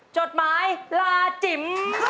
จดหมายลาจิ๋ม